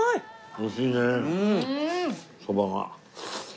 美味しいねそばが。